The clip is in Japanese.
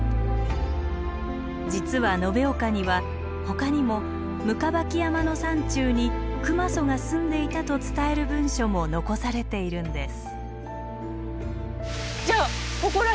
実は延岡にはほかにも行縢山の山中に熊襲が住んでいたと伝える文書も残されているんです。